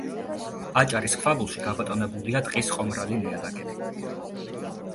აჭარის ქვაბულში გაბატონებულია ტყის ყომრალი ნიადაგები.